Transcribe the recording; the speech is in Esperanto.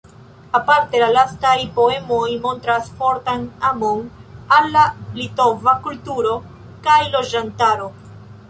Aparte la lastaj poemoj montras fortan amon al la litova kulturo kaj loĝantaro.